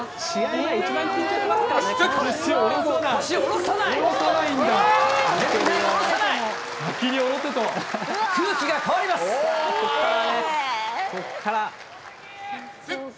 前、一番緊張しますからね。